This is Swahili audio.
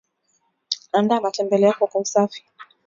andaa matembele yako kwa usafi